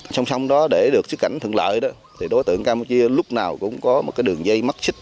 song song đó để được xuất cảnh thuận lợi đó thì đối tượng campuchia lúc nào cũng có một cái đường dây mắc xích